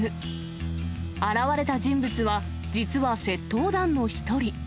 現れた人物は、実は窃盗団の１人。